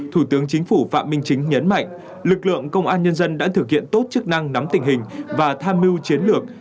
thủ tướng chính phủ phạm minh chính nhấn mạnh lực lượng công an nhân dân đã thực hiện tốt chức năng nắm tình hình và tham mưu chiến lược